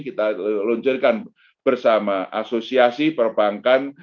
kita launch kan bersama asosiasi perbankan